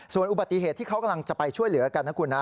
ส่วนอุบัติเหตุที่เขากำลังจะไปช่วยเหลือกันนะคุณนะ